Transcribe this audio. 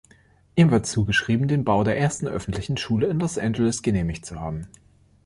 Ihm wird zugeschrieben, den Bau der ersten öffentlichen Schule in Los Angeles genehmigt zu haben.